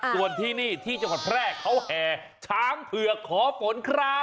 ส่วนที่นี่ที่จังหวัดแพร่เขาแห่ช้างเผือกขอฝนครับ